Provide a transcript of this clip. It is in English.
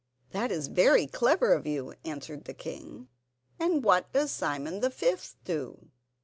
"That is very clever of you," answered the king; "and what does Simon the fifth do?"